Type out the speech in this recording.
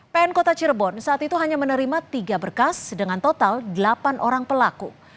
pn kota cirebon saat itu hanya menerima tiga berkas dengan total delapan orang pelaku